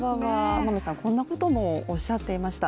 天海さん、こんなこともおっしゃっていました。